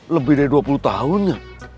lebih dari dua puluh tahun